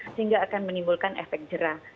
sehingga akan menimbulkan efek jerah